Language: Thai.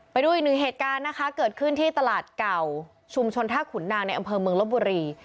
ไปดูอีกหนึ่งเหตุการณ์นะคะเกิดขึ้นที่ตลาดเก่าชุมชนท่าขุนนางในอำเภอเมืองลบบุรี